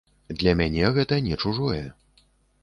Для мяне гэта не чужое.